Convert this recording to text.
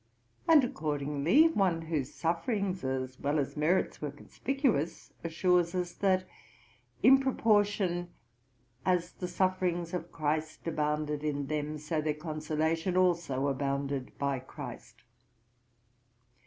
And, accordingly, one whose sufferings as well as merits were conspicuous, assures us, that in proportion "as the sufferings of Christ abounded in them, so their consolation also abounded by Christ."